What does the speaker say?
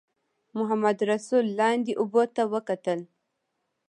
محمدرسول لاندې اوبو ته وکتل.